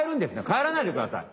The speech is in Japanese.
かえらないでください！